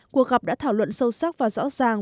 cuộc gặp đã thảo luận sâu sắc và rõ ràng